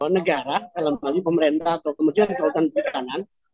negara terlebih lagi pemerintah atau kemudian kelautan pertanian